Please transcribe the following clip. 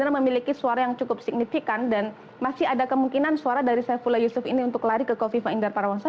karena memiliki suara yang cukup signifikan dan masih ada kemungkinan suara dari saifullah yusuf ini untuk lari ke kofifa indar parawansa